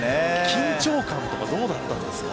緊張感とかどうだったんですか？